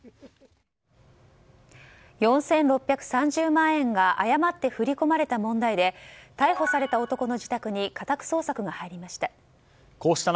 ４６３０万円が誤って振り込まれた問題で逮捕された男の自宅に家宅捜索が入りました。